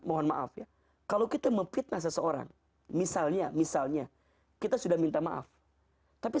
mohon maaf ya kalau kita memfitnah seseorang misalnya misalnya kita sudah minta maaf tapi